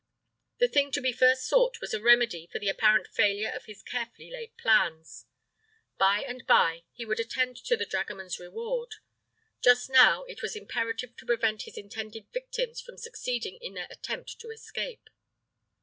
The thing to be first sought was a remedy for the apparent failure of his carefully laid plans. By and by he would attend to the dragoman's reward. Just now it was imperative to prevent his intended victims from succeeding in their attempt to escape.